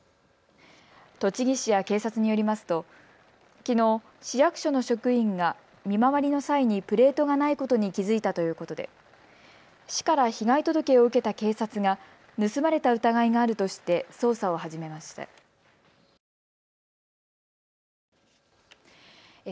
栃木市や警察によりますときのう市役所の職員が見回りの際にプレートがないことに気付いたということで市から被害届けを受けた警察が盗まれた疑いがあるとして捜査を始めました。